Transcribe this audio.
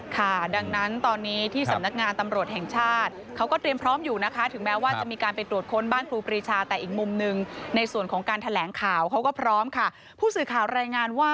ค่ะดังนั้นตอนนี้ที่สำนักงานตำรวจแห่งชาติ